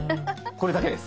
これだけです。